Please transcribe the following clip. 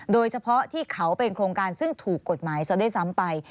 โดยเฉพาะที่เขาเป็นโครงการซึ่งถูกกฎหมายซะด้วยซ้ำไป